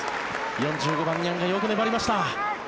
４５番、ニャンがよく粘りました。